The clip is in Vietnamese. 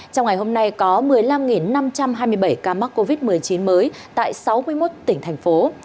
trong ngày hôm nay có một mươi năm năm trăm hai mươi bảy ca mắc covid một mươi chín mới tại sáu mươi một tỉnh thành phố